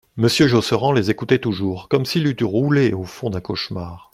Monsieur Josserand les écoutait toujours, comme s'il eût roulé au fond d'un cauchemar.